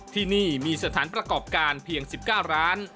ที่นี่มีสถานประกอบการเพียง๑๙ร้าน